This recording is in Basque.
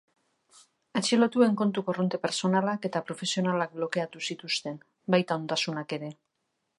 Atxilotuen kontu korronte pertsonalak eta profesionalak blokeatu zituzten, baita ondasunak ere.